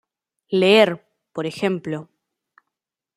Leer, por ejemplo.